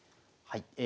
はい。